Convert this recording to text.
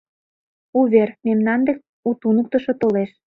Увер: мемнан дек у туныктышо толеш.